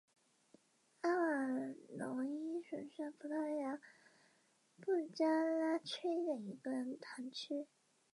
伽伐尼的助手用一根带电荷的金属解剖刀触碰了青蛙露在外面的坐骨神经。